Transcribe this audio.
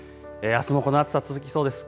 あすもこの暑さ続きそうです。